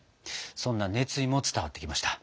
そんな熱意も伝わってきました。